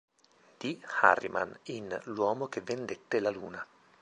D. Harriman in "L'uomo che vendette la Luna".